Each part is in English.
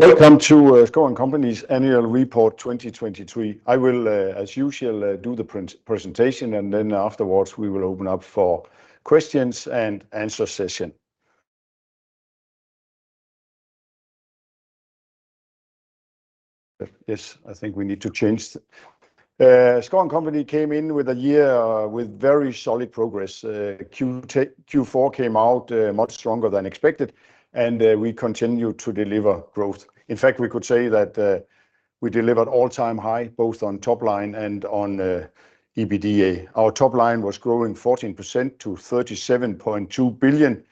Welcome to Schouw & Co.'s Annual Report 2023. I will, as usual, do the presentation and then afterwards we will open up for questions and answer session. Schouw & Co. came in with a year with very solid progress. Q4 came out much stronger than expected and we continue to deliver growth. In fact, we could say that we delivered all-time high both on top line and on EBITDA. Our top line was growing 14% to 37.2 billion,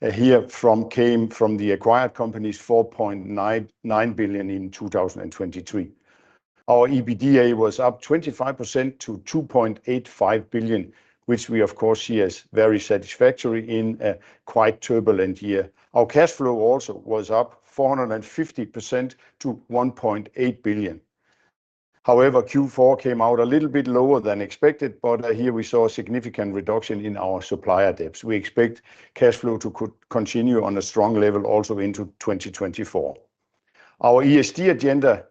hereof came from the acquired companies 4.9 billion in 2023. Our EBITDA was up 25% to 2.85 billion, which we of course see as very satisfactory in a quite turbulent year. Our cash flow also was up 450% to 1.8 billion. However, Q4 came out a little bit lower than expected, but here we saw a significant reduction in our supplier debts. We expect cash flow to continue on a strong level also into 2024. Our ESG agenda,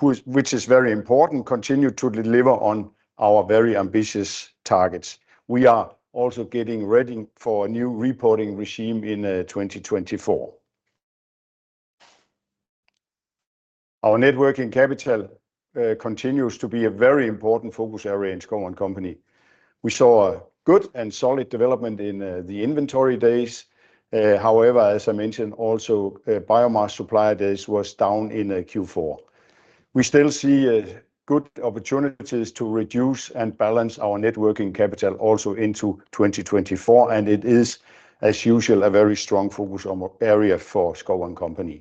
which is very important, continued to deliver on our very ambitious targets. We are also getting ready for a new reporting regime in 2024. Our net working capital continues to be a very important focus area in Schouw & Co. We saw good and solid development in the inventory days. However, as I mentioned, also biomass supplier days was down in Q4. We still see good opportunities to reduce and balance our net working capital also into 2024, and it is, as usual, a very strong focus area for Schouw & Co.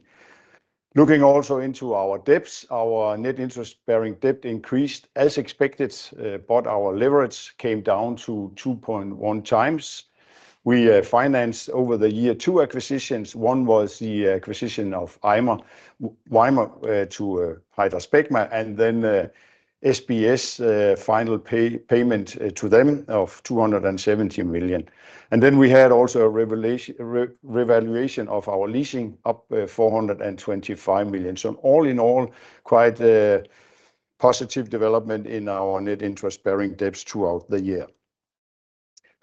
Looking also into our debts, our net interest-bearing debt increased as expected, but our leverage came down to 2.1 times. We financed over the year two acquisitions. One was the acquisition of Ymer to HydraSpecma and then SBS final payment to them of 270 million. And then we had also a revaluation of our leasing up 425 million. So all in all, quite positive development in our net interest-bearing debt throughout the year.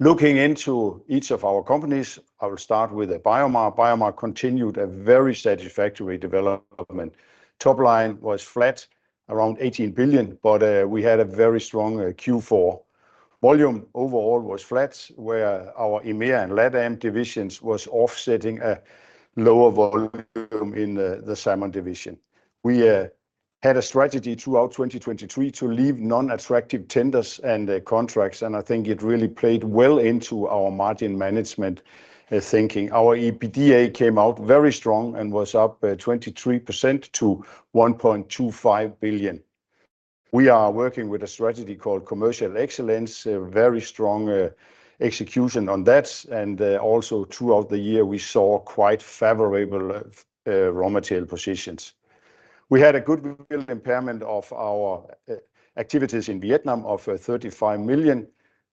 Looking into each of our companies, I will start with BioMar. BioMar continued a very satisfactory development. Top line was flat around 18 billion, but we had a very strong Q4. Volume overall was flat, where our EMEA and LATAM divisions was offsetting a lower volume in the Salmon division. We had a strategy throughout 2023 to leave non-attractive tenders and contracts, and I think it really played well into our margin management thinking. Our EBITDA came out very strong and was up 23% to 1.25 billion. We are working with a strategy called commercial excellence, very strong execution on that, and also throughout the year we saw quite favorable raw material positions. We had a good impairment of our activities in Vietnam of 35 million.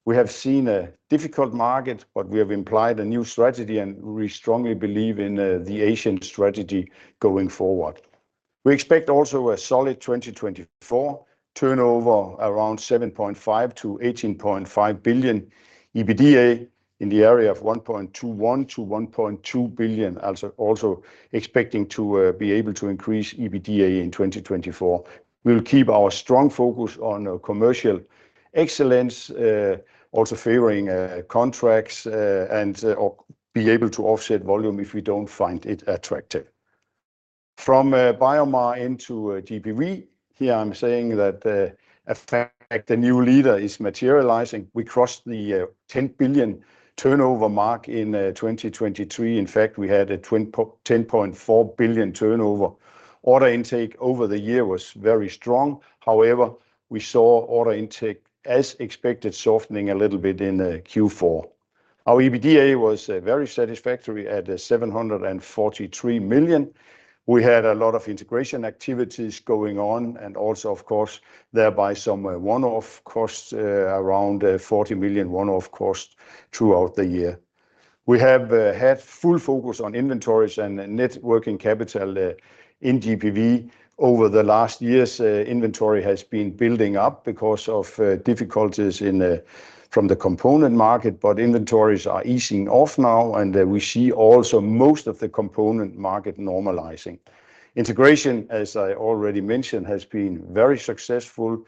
We have seen a difficult market, but we have implied a new strategy and we strongly believe in the Asian strategy going forward. We expect also a solid 2024 turnover around 7.5 billion-18.5 billion EBITDA in the area of 1.21 billion-1.2 billion, also expecting to be able to increase EBITDA in 2024. We will keep our strong focus on commercial excellence, also favoring contracts and be able to offset volume if we don't find it attractive. From BioMar into GPV, here I'm saying that in fact the new leader is materializing. We crossed the 10 billion turnover mark in 2023. In fact, we had a 10.4 billion turnover. Order intake over the year was very strong. However, we saw order intake as expected softening a little bit in Q4. Our EBITDA was very satisfactory at 743 million. We had a lot of integration activities going on and also, of course, thereby some one-off costs around 40 million one-off costs throughout the year. We have had full focus on inventories and net working capital in GPV over the last years. Inventory has been building up because of difficulties from the component market, but inventories are easing off now and we see also most of the component market normalizing. Integration, as I already mentioned, has been very successful.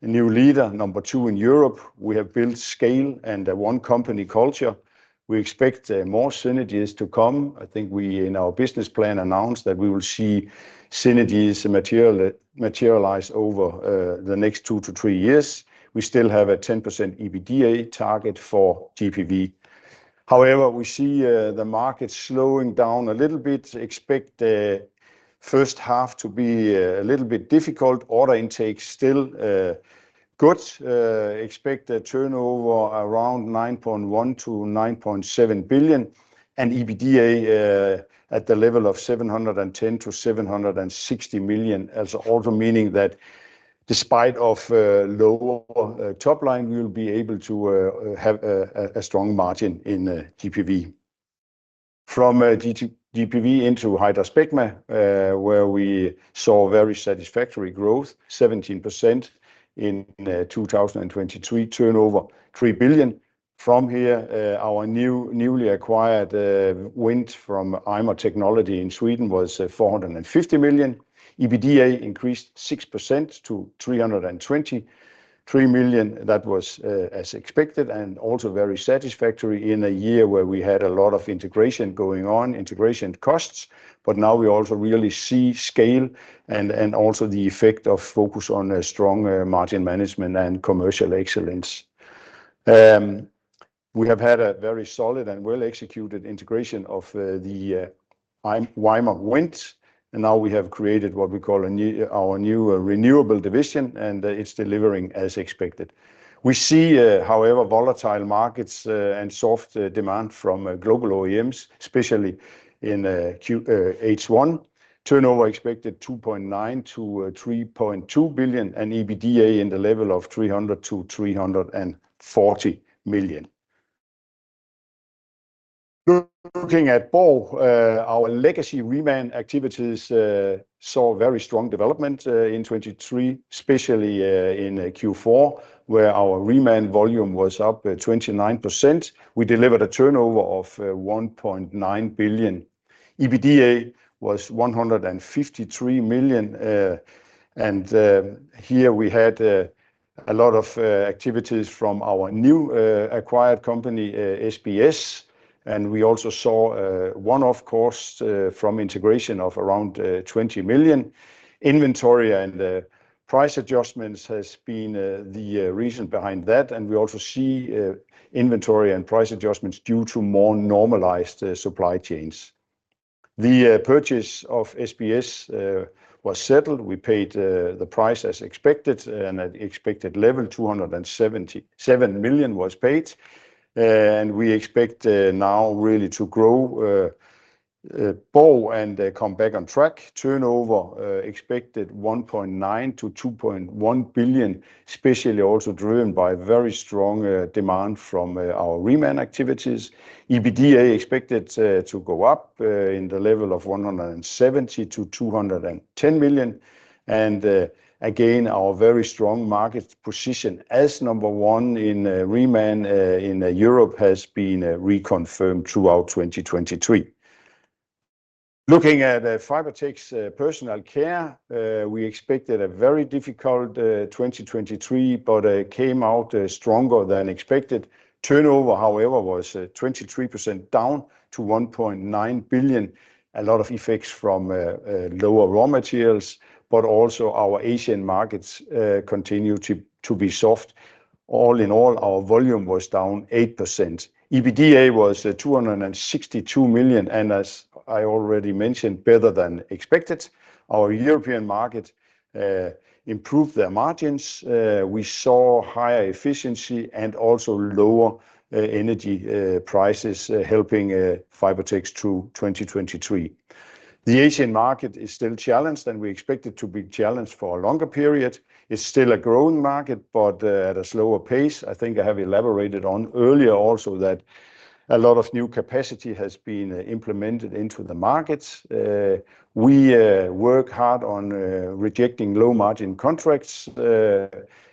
New leader number two in Europe. We have built scale and one company culture. We expect more synergies to come. I think we in our business plan announced that we will see synergies materialize over the next two to three years. We still have a 10% EBITDA target for GPV. However, we see the market slowing down a little bit. Expect the first half to be a little bit difficult. Order intake still good. Expect the turnover around 9.1 billion-9.7 billion and EBITDA at the level of 710 million-760 million, also meaning that despite of lower top line, we will be able to have a strong margin in GPV. From GPV into HydraSpecma, where we saw very satisfactory growth. 17% in 2023, turnover 3 billion. From here, our newly acquired wind from Ymer Technology in Sweden was 450 million. EBITDA increased 6% to 320 million. 3 million, that was as expected and also very satisfactory in a year where we had a lot of integration going on, integration costs, but now we also really see scale and also the effect of focus on a strong margin management and commercial excellence. We have had a very solid and well executed integration of the Ymer wind and now we have created what we call our new renewable division and it's delivering as expected. We see, however, volatile markets and soft demand from global OEMs, especially in H1. Turnover expected 2.9 billion-3.2 billion and EBITDA in the level of 300 million-340 million. Looking at Borg, our legacy reman activities saw very strong development in 2023, especially in Q4, where our reman volume was up 29%. We delivered a turnover of 1.9 billion. EBITDA was 153 million and here we had a lot of activities from our new acquired company, SBS, and we also saw one-off costs from integration of around 20 million. Inventory and price adjustments has been the reason behind that and we also see inventory and price adjustments due to more normalized supply chains. The purchase of SBS was settled. We paid the price as expected and at expected level, 277 million was paid and we expect now really to grow Borg and come back on track. Turnover expected 1.9 billion-2.1 billion, especially also driven by very strong demand from our reman activities. EBITDA expected to go up in the level of 170 million-210 million and again, our very strong market position as number one in reman in Europe has been reconfirmed throughout 2023. Looking at Fibertex Personal Care, we expected a very difficult 2023, but came out stronger than expected. Turnover, however, was down 23% to 1.9 billion. A lot of effects from lower raw materials, but also our Asian markets continue to be soft. All in all, our volume was down 8%. EBITDA was 262 million and as I already mentioned, better than expected. Our European market improved their margins. We saw higher efficiency and also lower energy prices helping Fibertex through 2023. The Asian market is still challenged and we expect it to be challenged for a longer period. It's still a growing market, but at a slower pace. I think I have elaborated on earlier also that a lot of new capacity has been implemented into the markets. We work hard on rejecting low margin contracts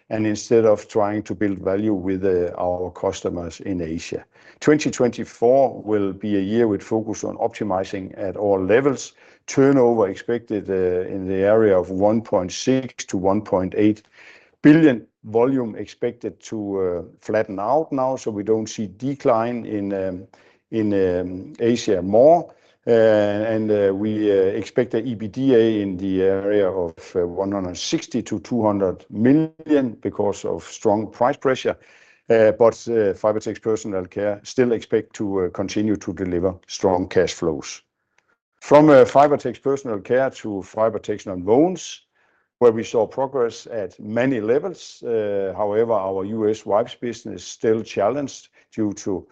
and instead of trying to build value with our customers in Asia. 2024 will be a year with focus on optimizing at all levels. Turnover expected in the area of 1.6 billion-1.8 billion. Volume expected to flatten out now, so we don't see decline in Asia more. And we expect the EBITDA in the area of 160 million-200 million because of strong price pressure, but Fibertex Personal Care still expect to continue to deliver strong cash flows. From Fibertex Personal Care to Fibertex Nonwovens, where we saw progress at many levels. However, our U.S. wipes business still challenged due to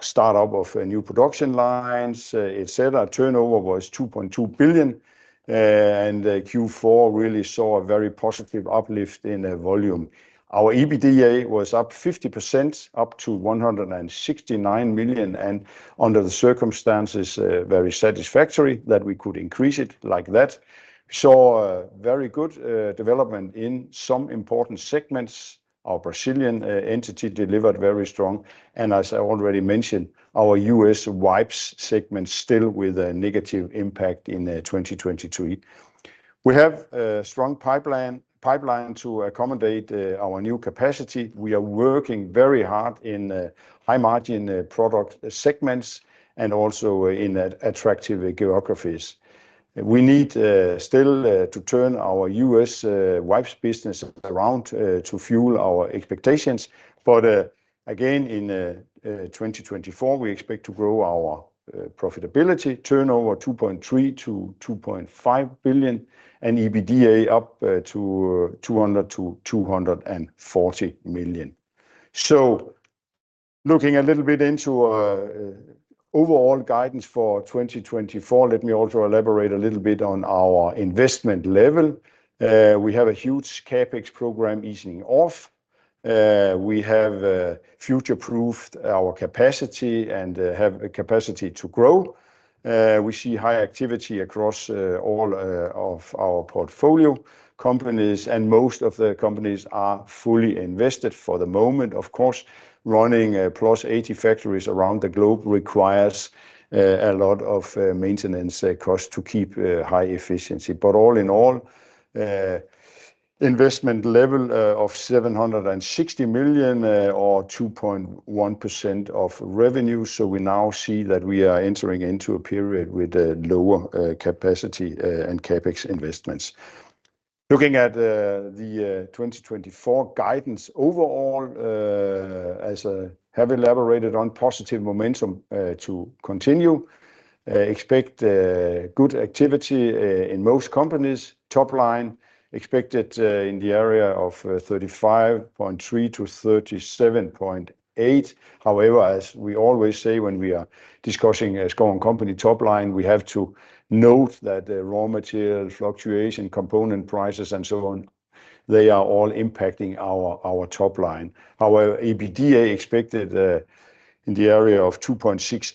startup of new production lines, etc. Turnover was 2.2 billion and Q4 really saw a very positive uplift in volume. Our EBITDA was up 50% up to 169 million and under the circumstances, very satisfactory that we could increase it like that. We saw very good development in some important segments. Our Brazilian entity delivered very strong and, as I already mentioned, our US wipes segment still with a negative impact in 2023. We have a strong pipeline to accommodate our new capacity. We are working very hard in high margin product segments and also in attractive geographies. We need still to turn our US wipes business around to fuel our expectations, but again in 2024, we expect to grow our profitability. Turnover 2.3 billion-2.5 billion and EBITDA up to 200 million-240 million. So looking a little bit into overall guidance for 2024, let me also elaborate a little bit on our investment level. We have a huge CapEx program easing off. We have future-proofed our capacity and have a capacity to grow. We see high activity across all of our portfolio companies and most of the companies are fully invested for the moment. Of course, running +80 factories around the globe requires a lot of maintenance costs to keep high efficiency, but all in all, investment level of 760 million or 2.1% of revenue. So we now see that we are entering into a period with lower capacity and CapEx investments. Looking at the 2024 guidance overall, as I have elaborated on, positive momentum to continue. Expect good activity in most companies. Top line expected in the area of 35.3 billion-37.8 billion. However, as we always say when we are discussing Schouw & Co. top line, we have to note that raw material fluctuation, component prices, and so on, they are all impacting our top line. However, EBITDA expected in the area of 2.68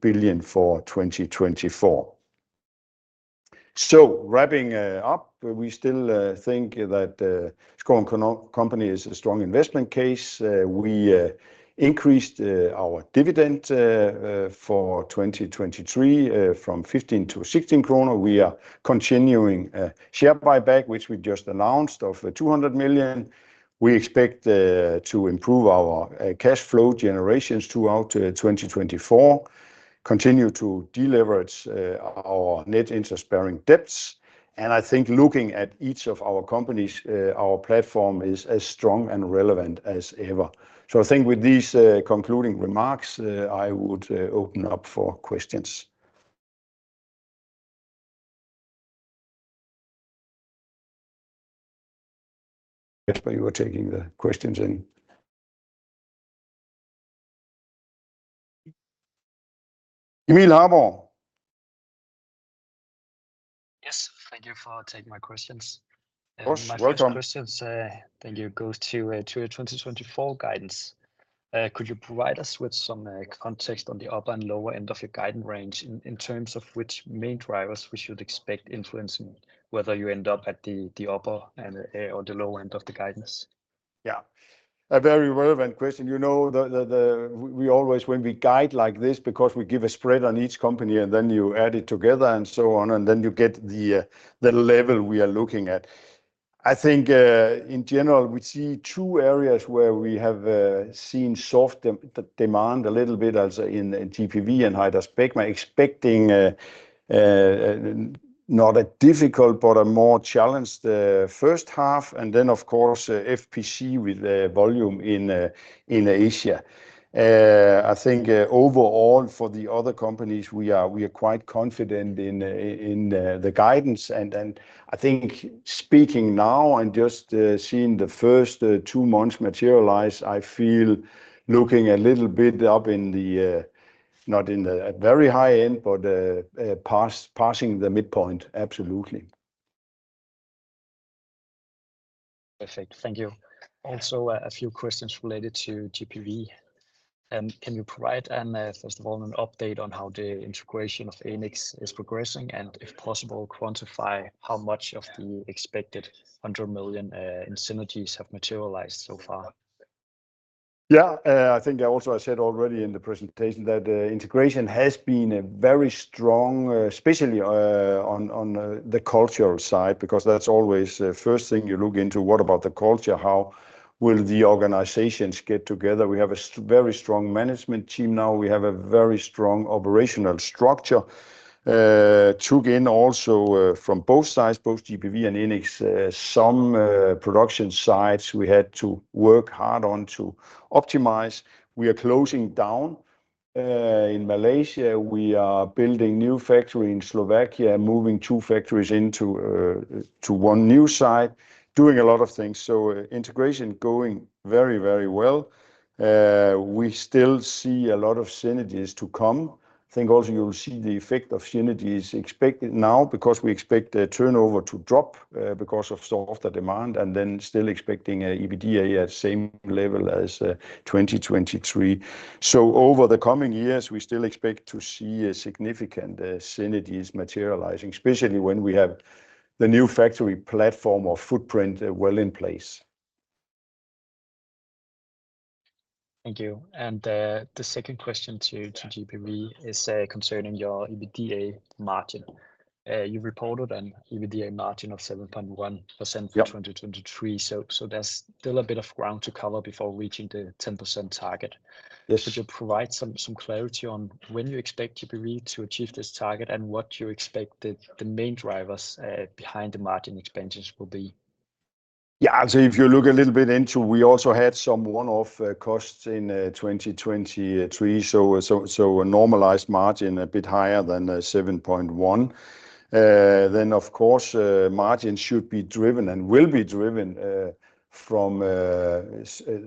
billion-2.98 billion for 2024. So wrapping up, we still think that Schouw & Co. company is a strong investment case. We increased our dividend for 2023 from 15 to 16 kroner. We are continuing share buyback, which we just announced, of 200 million. We expect to improve our cash flow generation throughout 2024, continue to deliver our net interest-bearing debt, and I think looking at each of our companies, our platform is as strong and relevant as ever. So I think with these concluding remarks, I would open up for questions. Kasper, you were taking the questions in. Emil Harborg. Yes, thank you for taking my questions. My first questions, then you go to your 2024 guidance. Could you provide us with some context on the upper and lower end of your guidance range in terms of which main drivers we should expect influencing whether you end up at the upper or the lower end of the guidance? Yeah, a very relevant question. You know, we always when we guide like this because we give a spread on each company and then you add it together and so on and then you get the level we are looking at. I think in general we see two areas where we have seen soft demand a little bit also in GPV and HydraSpecma, expecting not a difficult but a more challenged first half and then of course FPC with volume in Asia. I think overall for the other companies we are quite confident in the guidance and I think speaking now and just seeing the first two months materialise, I feel looking a little bit up in the not in the very high end but passing the midpoint absolutely. Perfect, thank you. Also a few questions related to GPV. Can you provide first of all an update on how the integration of Enics is progressing and if possible quantify how much of the expected 100 million in synergies have materialized so far? Yeah, I think I also said already in the presentation that integration has been very strong, especially on the cultural side because that's always the first thing you look into. What about the culture? How will the organizations get together? We have a very strong management team now. We have a very strong operational structure. Took in also from both sides, both GPV and Enics, some production sites we had to work hard on to optimize. We are closing down in Malaysia. We are building a new factory in Slovakia, moving two factories into one new site, doing a lot of things. So integration going very, very well. We still see a lot of synergies to come. I think also you'll see the effect of synergies expected now because we expect the turnover to drop because of softer demand and then still expecting EBITDA at the same level as 2023. So over the coming years, we still expect to see significant synergies materializing, especially when we have the new factory platform or footprint well in place. Thank you. And the second question to GPV is concerning your EBITDA margin. You reported an EBITDA margin of 7.1% for 2023, so there's still a bit of ground to cover before reaching the 10% target. Could you provide some clarity on when you expect GPV to achieve this target and what you expect the main drivers behind the margin expansions will be? Yeah, so if you look a little bit into, we also had some one-off costs in 2023. So a normalized margin a bit higher than 7.1%. Then, of course, margins should be driven and will be driven from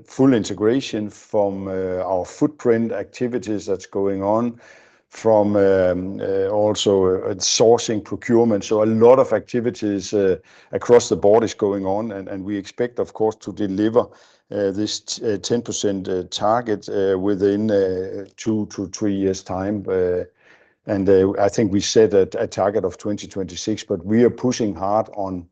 full integration, from our footprint activities that's going on, from also sourcing procurement. So a lot of activities across the board is going on, and we expect, of course, to deliver this 10% target within two to three years' time. And I think we set a target of 2026, but we are pushing hard on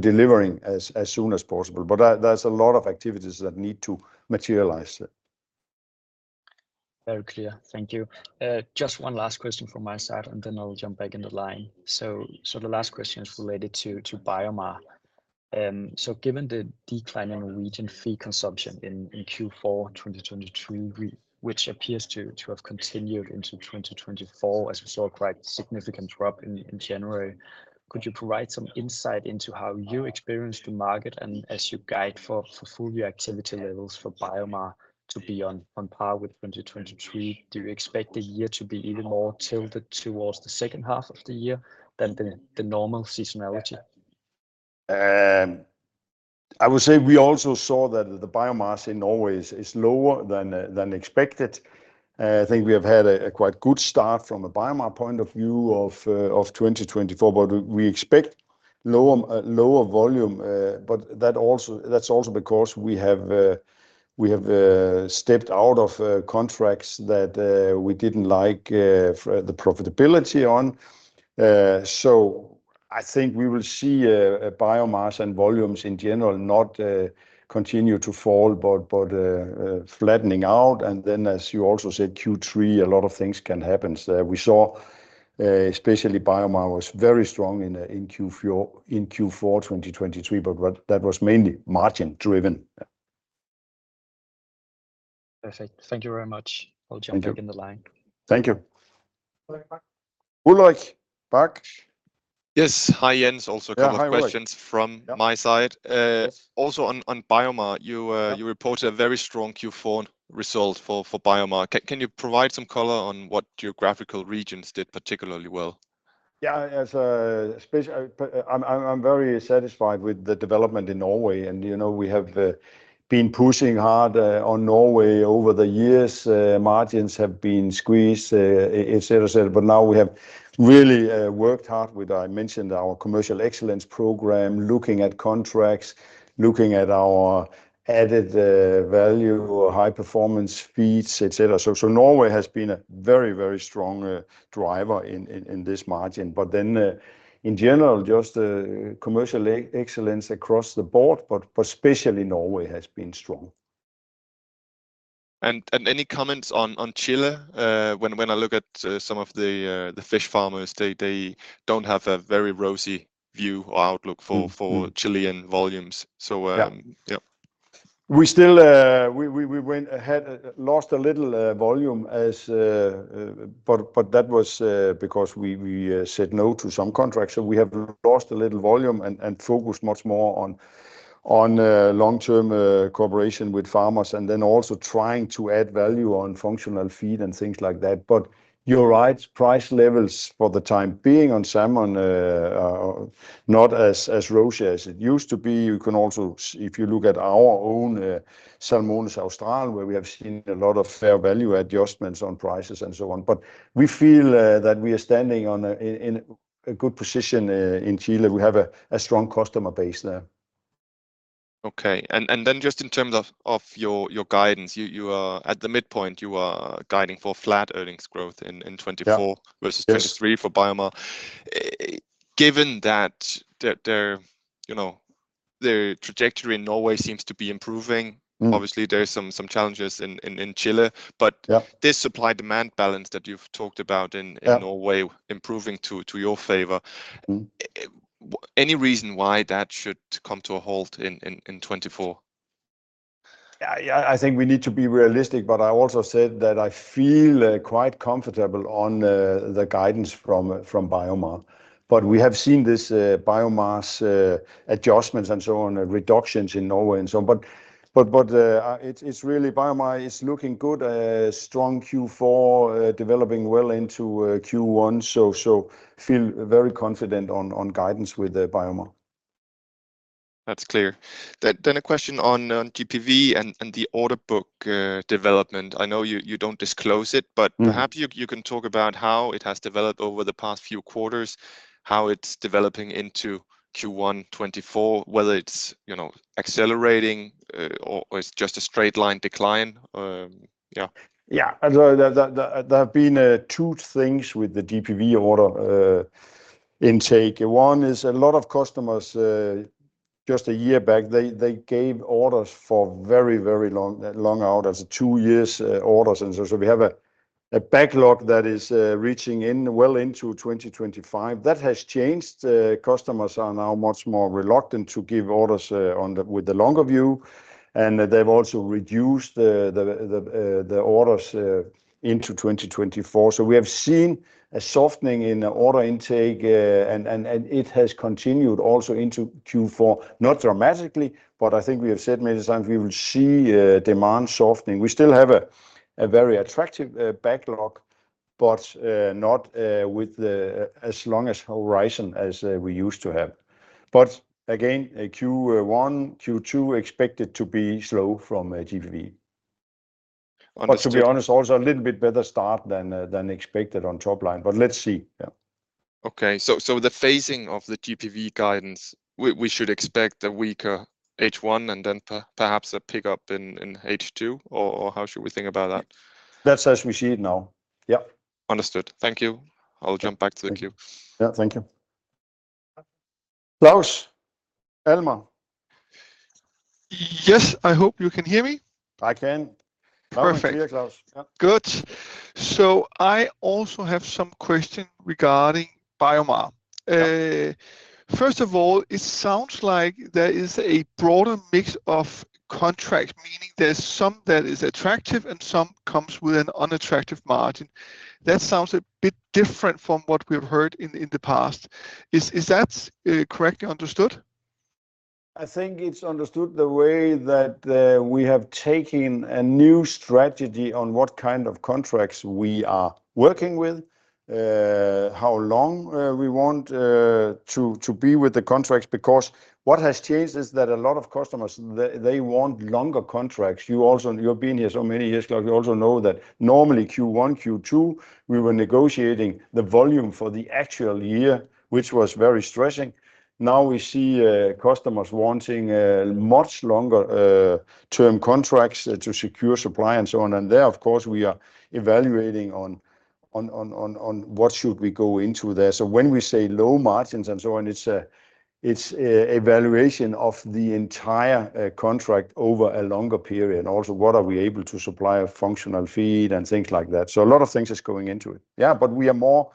delivering as soon as possible. But there's a lot of activities that need to materialize. Very clear, thank you. Just one last question from my side, and then I'll jump back in the line. So the last question is related to BioMar. So given the decline in Norwegian feed consumption in Q4 2023, which appears to have continued into 2024 as we saw a quite significant drop in January, could you provide some insight into how you experienced the market and as you guide for full reactivity levels for BioMar to be on par with 2023, do you expect the year to be even more tilted towards the second half of the year than the normal seasonality? I would say we also saw that the BioMar in Norway is lower than expected. I think we have had a quite good start from a BioMar point of view of 2024, but we expect lower volume. But that's also because we have stepped out of contracts that we didn't like the profitability on. So I think we will see BioMar's and volumes in general not continue to fall, but flattening out. Then as you also said, Q3, a lot of things can happen. We saw especially BioMar was very strong in Q4 2023, but that was mainly margin driven. Perfect, thank you very much. I'll jump back in the line. Thank you. Ulrik Bak Yes, hi Jens, also a couple of questions from my side. Also on BioMar, you reported a very strong Q4 result for BioMar. Can you provide some color on what geographical regions did particularly well? Yeah, especially, I'm very satisfied with the development in Norway and you know we have been pushing hard on Norway over the years. Margins have been squeezed, etc., etc., but now we have really worked hard with, I mentioned, our commercial excellence program, looking at contracts, looking at our added value, high performance feeds, etc. So Norway has been a very, very strong driver in this margin. But then in general, just Commercial excellence across the board, but especially Norway has been strong. And any comments on Chile? When I look at some of the fish farmers, they don't have a very rosy view or outlook for Chilean volumes. So yeah. We still went ahead, lost a little volume, but that was because we said no to some contracts. So we have lost a little volume and focused much more on long-term cooperation with farmers and then also trying to add value on functional feed and things like that. But you're right, price levels for the time being on salmon are not as rosy as it used to be. You can also, if you look at our own Salmones Austral, where we have seen a lot of fair value adjustments on prices and so on. But we feel that we are standing in a good position in Chile. We have a strong customer base there. Okay, and then just in terms of your guidance, you are at the midpoint, you are guiding for flat earnings growth in 2024 versus 2023 for BioMar. Given that their trajectory in Norway seems to be improving, obviously there's some challenges in Chile, but this supply-demand balance that you've talked about in Norway improving to your favour, any reason why that should come to a halt in 2024? Yeah, I think we need to be realistic, but I also said that I feel quite comfortable on the guidance from BioMar. But we have seen these BioMar's adjustments and so on, reductions in Norway and so on. But it's really BioMar is looking good, strong Q4, developing well into Q1. So I feel very confident on guidance with BioMar. That's clear. Then a question on GPV and the order book development. I know you don't disclose it, but perhaps you can talk about how it has developed over the past few quarters, how it's developing into Q1 2024, whether it's accelerating or it's just a straight line decline. Yeah. Yeah, there have been two things with the GPV order intake. One is a lot of customers just a year back, they gave orders for very, very long out as two years orders and so. So we have a backlog that is reaching in well into 2025. That has changed. Customers are now much more reluctant to give orders with the longer view and they've also reduced the orders into 2024. So we have seen a softening in order intake and it has continued also into Q4, not dramatically. But I think we have said many times we will see demand softening. We still have a very attractive backlog, but not with as long a horizon as we used to have. But again, Q1, Q2 expected to be slow from GPV. But to be honest, also a little bit better start than expected on top line, but let's see. Yeah. Okay, so the phasing of the GPV guidance, we should expect a weaker H1 and then perhaps a pickup in H2 or how should we think about that? That's as we see it now. Yeah. Understood, thank you. I'll jump back to the queue. Yeah, thank you. Claus Almer. Yes, I hope you can hear me. I can. Perfect. I'm here, Klaus. Good. So I also have some questions regarding BioMar. First of all, it sounds like there is a broader mix of contracts, meaning there's some that is attractive and some comes with an unattractive margin. That sounds a bit different from what we have heard in the past. Is that correctly understood? I think it's understood the way that we have taken a new strategy on what kind of contracts we are working with, how long we want to be with the contracts. Because what has changed is that a lot of customers, they want longer contracts. You've been here so many years, Klaus, you also know that normally Q1, Q2 we were negotiating the volume for the actual year, which was very stressing. Now we see customers wanting much longer term contracts to secure supply and so on. And there, of course, we are evaluating on what should we go into there. So when we say low margins and so on, it's an evaluation of the entire contract over a longer period. Also, what are we able to supply of functional feed and things like that? So a lot of things is going into it. Yeah, but we are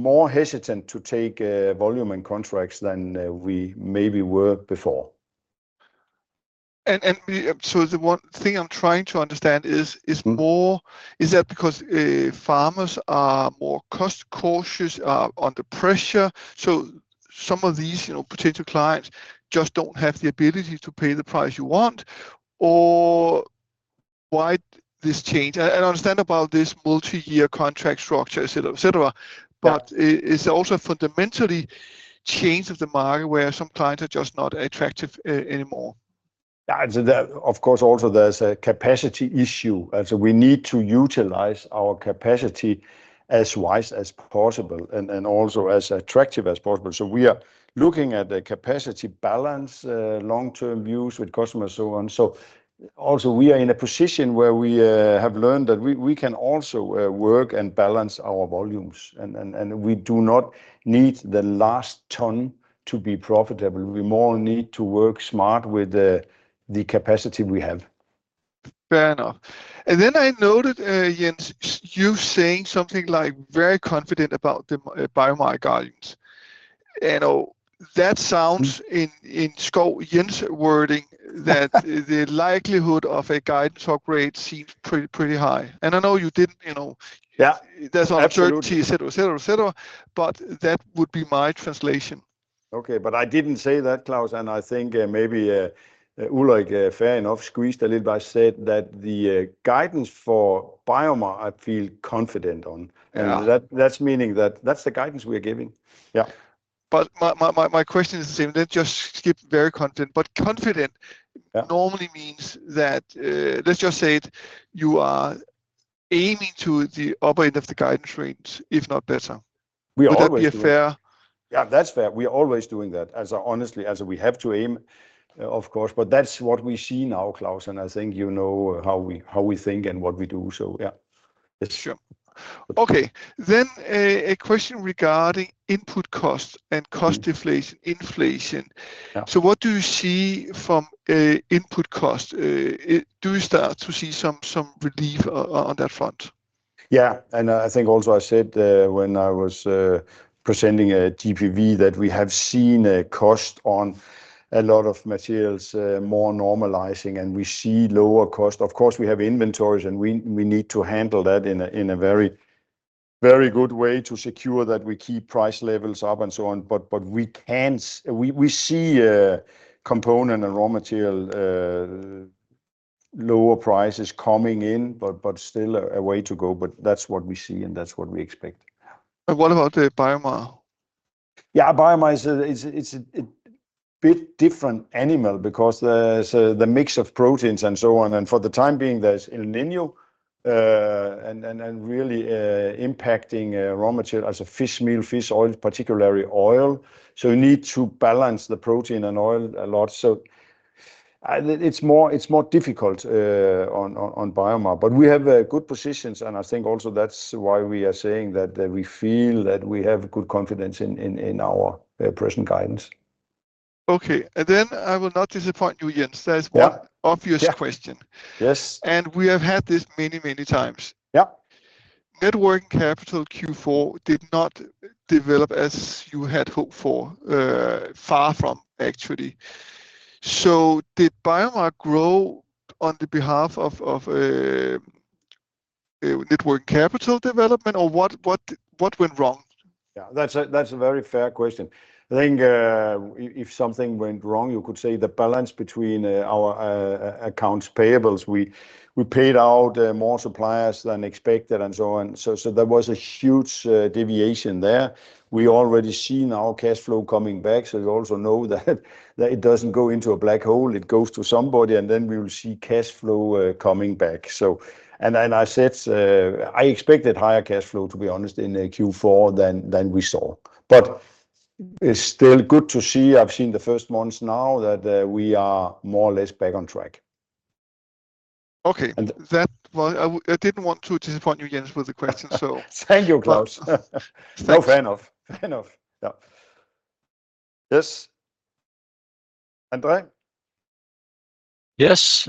more hesitant to take volume and contracts than we maybe were before. And so the one thing I'm trying to understand is, is that because farmers are more cost cautious under pressure? So some of these potential clients just don't have the ability to pay the price you want or why this change? And I understand about this multi-year contract structure, etc., etc., but it's also a fundamental change of the market where some clients are just not attractive anymore. Yeah, and of course, also there's a capacity issue. And so we need to utilize our capacity as wisely as possible and also as attractive as possible. So we are looking at a capacity balance, long-term views with customers, so on. So, also, we are in a position where we have learned that we can also work and balance our volumes, and we do not need the last ton to be profitable. We more need to work smart with the capacity we have. Fair enough. And then I noted, Jens, you saying something like very confident about the BioMar guidance. And that sounds in Schouw & Jens' wording that the likelihood of a guidance upgrade seems pretty high. And I know you didn't, you know. Yeah, absolutely. There's uncertainty, etc., etc., etc., but that would be my translation. Okay, but I didn't say that, Klaus, and I think maybe Ulrik fair enough squeezed a little bit and said that the guidance for BioMar I feel confident on. And that's meaning that that's the guidance we are giving. Yeah. But my question is the same. Let's just skip very confident. But confident normally means that, let's just say it, you are aiming to the upper end of the guidance range, if not better. Would that be a fair...? Yeah, that's fair. We are always doing that. Honestly, we have to aim, of course. But that's what we see now, Klaus, and I think you know how we think and what we do. So yeah. sureOkayay, then a question regarding input costs and cost deflation, inflation. So what do you see from input costs? Do you start to see some relief on that front? Yeah, and I think also I said when I was presenting a GPV that we have seen a cost on a lot of materials more normalizing and we see lower cost. Of course, we have inventories and we need to handle that in a very good way to secure that we keep price levels up and so on. But we can see a component and raw material lower prices coming in, but still a way to go. But that's what we see and that's what we expect. And what about BioMar? Yeah, BioMar is a bit different animal because there's the mix of proteins and so on. And for the time being, there's El Niño and really impacting raw material as a fish meal, fish oil, particularly oil. So you need to balance the protein and oil a lot. So it's more difficult on BioMar, but we have good positions. And I think also that's why we are saying that we feel that we have good confidence in our present guidance. Okay, and then I will not disappoint you, Jens. There's one obvious question. We have had this many, many times. Net working capital Q4 did not develop as you had hoped for, far from actually. So did BioMar grow on the behalf of net working capital development or what went wrong? Yeah, that's a very fair question. I think if something went wrong, you could say the balance between our accounts payables; we paid out more suppliers than expected and so on. So there was a huge deviation there. We already see now cash flow coming back. So you also know that it doesn't go into a black hole. It goes to somebody and then we will see cash flow coming back. I expected higher cash flow, to be honest, in Q4 than we saw. It's still good to see. I've seen the first months now that we are more or less back on track. Okay, that was I didn't want to disappoint you, Jens, with the question, so. Thank you, Klaus. No, fair enough. Fair enough. Yeah. Yes. Andre? Yes,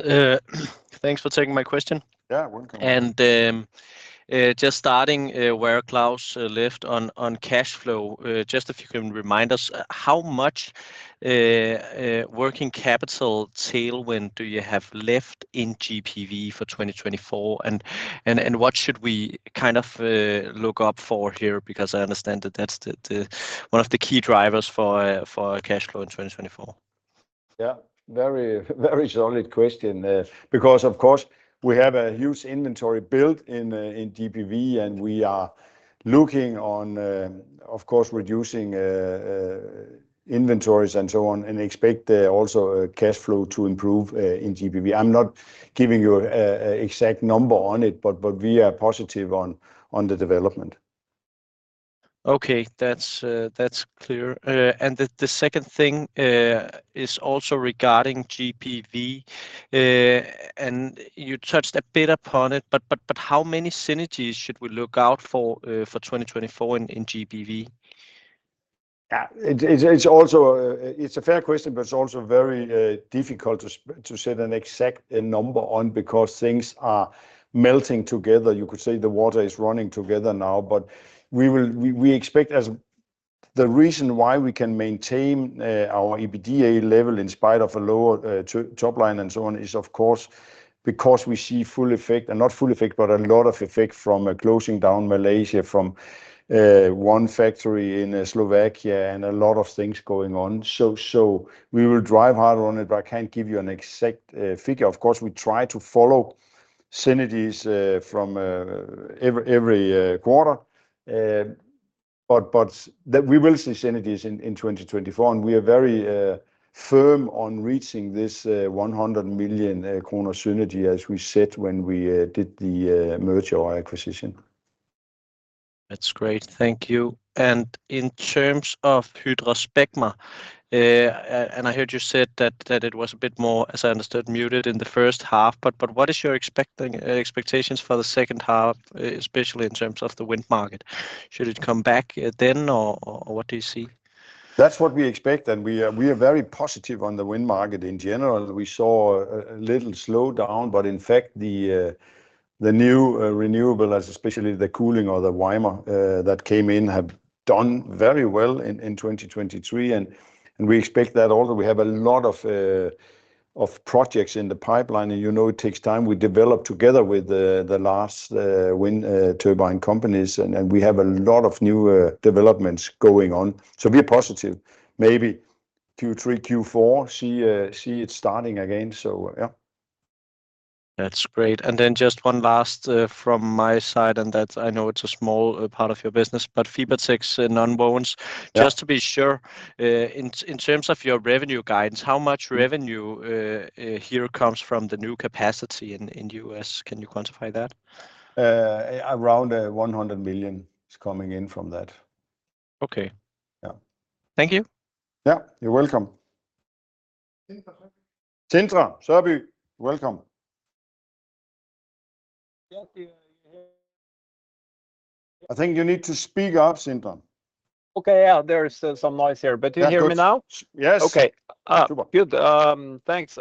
thanks for taking my question. Yeah, welcome. And just starting where Klaus left off on cash flow, just if you can remind us how much working capital tailwind do you have left in GPV for 2024? And what should we kind of look out for here? Because I understand that that's one of the key drivers for cash flow in 2024. Yeah, very, very solid question. Because, of course, we have a huge inventory built in GPV and we are looking at, of course, reducing inventories and so on and expect also cash flow to improve in GPV. I'm not giving you an exact number on it, but we are positive on the development. Okay, that's clear. And the second thing is also regarding GPV. You touched a bit upon it, but how many synergies should we look out for for 2024 in GPV? Yeah, it's also a fair question, but it's also very difficult to set an exact number on because things are melting together. You could say the water is running together now, but we expect as the reason why we can maintain our EBITDA level in spite of a lower top line and so on is, of course, because we see full effect and not full effect, but a lot of effect from closing down Malaysia from one factory in Slovakia and a lot of things going on. So we will drive harder on it, but I can't give you an exact figure. Of course, we try to follow synergies from every quarter. But we will see synergies in 2024 and we are very firm on reaching this 100 million kroner synergy as we set when we did the merger or acquisition. That's great. Thank you. And in terms of HydraSpecma, and I heard you said that it was a bit more, as I understood, muted in the first half. But what is your expectations for the second half, especially in terms of the wind market? Should it come back then or what do you see? That's what we expect. And we are very positive on the wind market in general. We saw a little slowdown, but in fact, the new renewables, especially the cooling or the Ymer that came in, have done very well in 2023. And we expect that also. We have a lot of projects in the pipeline and you know it takes time. We develop together with the last wind turbine companies and we have a lot of new developments going on. So we are positive. Maybe Q3, Q4, see it starting again. So yeah. That's great. And then just one last from my side, and that I know it's a small part of your business, but Fibertex Nonwovens, just to be sure, in terms of your revenue guidance, how much revenue here comes from the new capacity in the US? Can you quantify that? Around 100 million is coming in from that. Okay. Yeah. Thank you. Yeah, you're welcome. Sindre Sørbye, welcome. Yes, you're here. I think you need to speak up, sindre. Okay, yeah, there is some noise here, but do you hear me now? Yes. Okay, good. Thanks.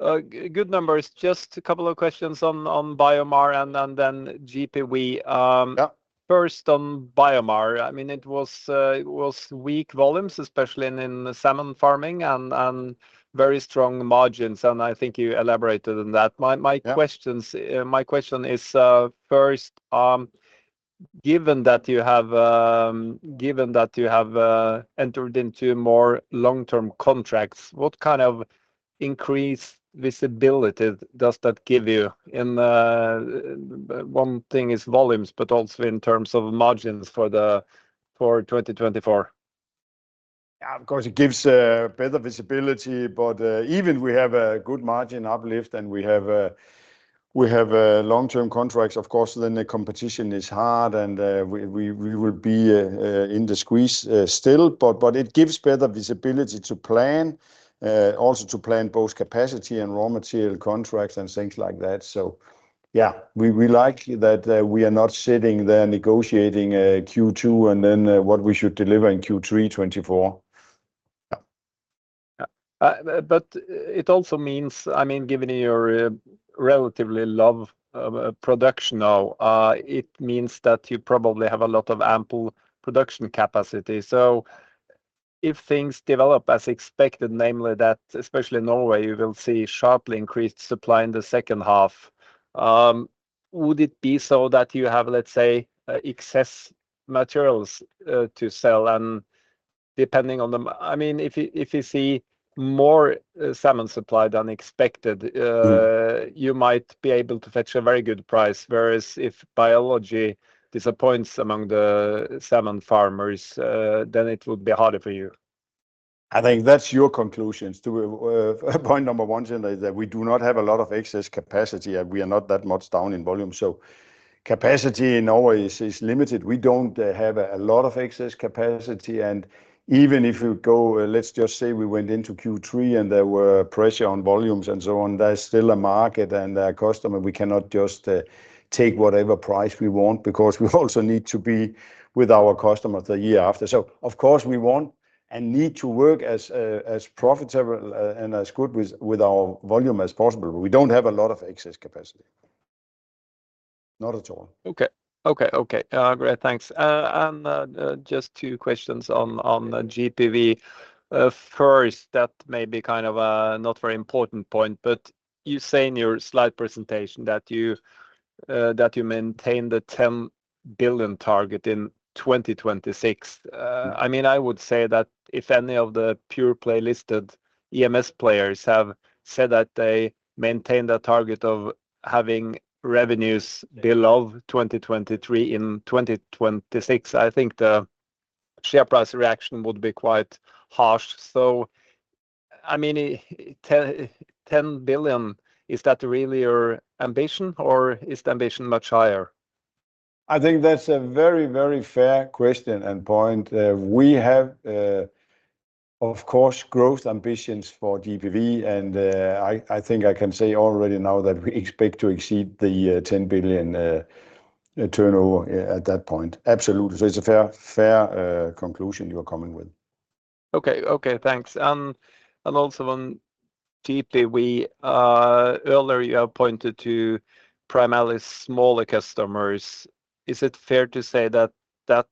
Good numbers. Just a couple of questions on BioMar and then GPV. First on BioMar. I mean, it was weak volumes, especially in salmon farming and very strong margins. And I think you elaborated on that. My question is first, given that you have entered into more long-term contracts, what kind of increased visibility does that give you? One thing is volumes, but also in terms of margins for 2024. Yeah, of course, it gives better visibility. But even we have a good margin uplift and we have long-term contracts, of course, then the competition is hard and we will be in the squeeze still. But it gives better visibility to plan, also to plan both capacity and raw material contracts and things like that. So yeah, we like that we are not sitting there negotiating Q2 and then what we should deliver in Q3, Q4. Yeah. But it also means, I mean, given your relatively low production now, it means that you probably have a lot of ample production capacity. So if things develop as expected, namely that especially in Norway, you will see sharply increased supply in the second half, would it be so that you have, let's say, excess materials to sell? And depending on the, I mean, if you see more salmon supply than expected, you might be able to fetch a very good price. Whereas if biology disappoints among the salmon farmers, then it would be harder for you. I think that's your conclusions. Point number one, Sindre, is that we do not have a lot of excess capacity and we are not that much down in volume. So capacity in Norway is limited. We don't have a lot of excess capacity. Even if we go, let's just say we went into Q3 and there were pressure on volumes and so on, there's still a market and there are customers. We cannot just take whatever price we want because we also need to be with our customers the year after. So, of course, we want and need to work as profitable and as good with our volume as possible. We don't have a lot of excess capacity. Not at all. Okay, Okay, Okay, great. Thanks. Just two questions on GPV. First, that may be kind of a not very important point, but you say in your slide presentation that you maintain the 10 billion target in 2026. I mean, I would say that if any of the pure-play listed EMS players have said that they maintain that target of having revenues below 2023, in 2026, I think the share price reaction would be quite harsh. So, I mean, 10 billion, is that really your ambition or is the ambition much higher? I think that's a very, very fair question and point. We have, of course, growth ambitions for GPV. And I think I can say already now that we expect to exceed the 10 billion turnover at that point. Absolutely. So it's a fair conclusion you are coming with. Okay, Okay, thanks. And also on GPV, earlier you have pointed to primarily smaller customers. Is it fair to say that that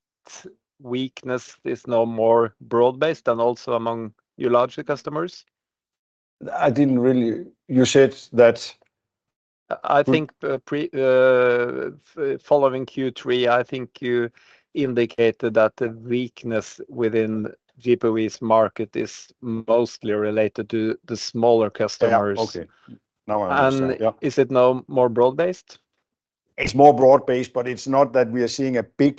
weakness is no more broad-based than also among your larger customers? I didn't really, you said that... I think following Q3, I think you indicated that the weakness within GPV's market is mostly related to the smaller customers. Yeah, OK, now I understand. And is it no more broad-based? It's more broad-based, but it's not that we are seeing a big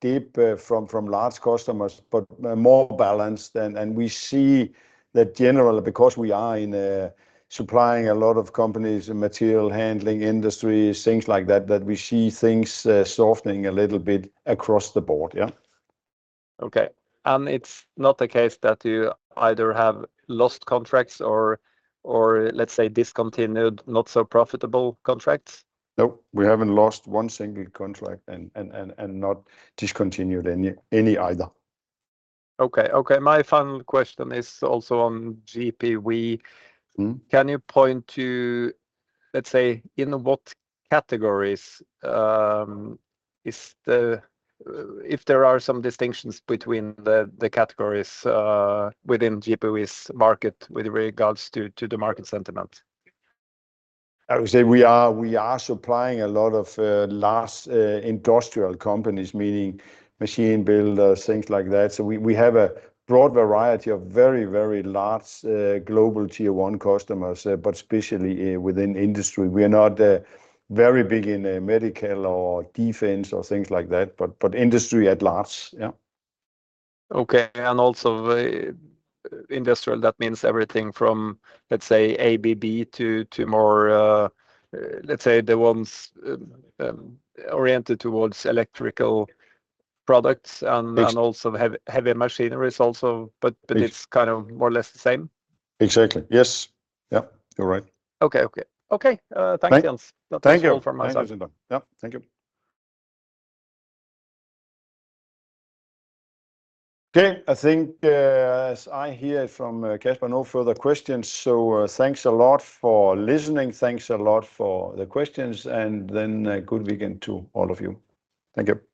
dip from large customers, but more balanced. And we see that generally, because we are supplying a lot of companies, material handling industries, things like that, that we see things softening a little bit across the board. Yeah. Okay, and it's not the case that you either have lost contracts or, let's say, discontinued, not so profitable contracts? Nope, we haven't lost one single contract and not discontinued any either. Okay, Okay, my final question is also on GPV. Can you point to, let's say, in what categories is the If there are some distinctions between the categories within GPV's market with regards to the market sentiment? I would say we are supplying a lot of large industrial companies, meaning machine builders, things like that. So we have a broad variety of very, very large global Tier 1 customers, but especially within industry. We are not very big in medical or defense or things like that, but industry at large. yeah. Okay, and also industrial, that means everything from, let's say, ABB to more, let's say, the ones oriented towards electrical products and also heavy machinery also, but it's kind of more or less the same. Exactly, yes. Yeah, you're right. Okay, Okay, Okay, thanks, Jens. That's all from my side. Thank you, Sindre. Yeah, thank you. Okay, I think as I hear it from Kasper, no further questions. So thanks a lot for listening. Thanks a lot for the questions. And then good weekend to all of you. Thank you.